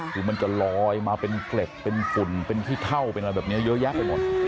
คือมันจะลอยมาเป็นเกล็ดเป็นฝุ่นเป็นขี้เท่าเป็นอะไรแบบนี้เยอะแยะไปหมด